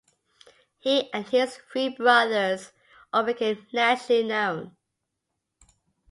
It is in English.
He and his three brothers all became nationally known.